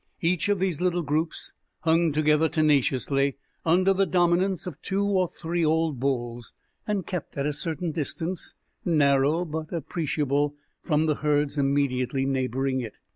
Each of these little groups hung together tenaciously, under the dominance of two or three old bulls, and kept at a certain distance, narrow but appreciable, from the herds immediately neighboring it.